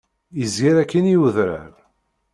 Izger akkin i udrar.